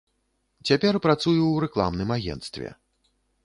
Цяпер працую ў рэкламным агенцтве.